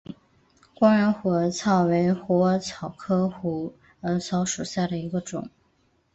光缘虎耳草为虎耳草科虎耳草属下的一个种。